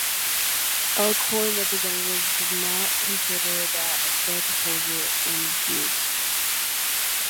Elkhorn representatives did not consider that a fair proposal and refused.